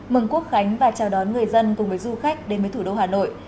mừng quốc khánh và chào đón người dân cùng với du khách đến với thủ đô hà nội